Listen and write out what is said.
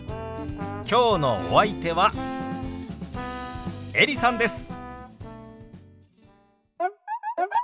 きょうのお相手はエリさんです。